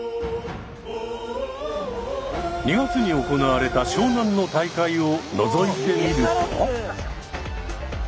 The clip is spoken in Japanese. ２月に行われた湘南の大会をのぞいてみると。